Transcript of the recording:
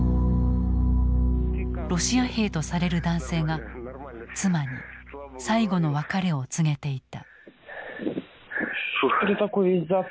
ロシア兵とされる男性が妻に最期の別れを告げていた。